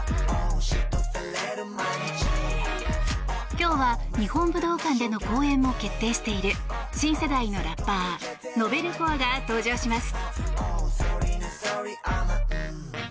今日は、日本武道館での公演も決定している新世代のラッパーＮｏｖｅｌＣｏｒｅが登場します。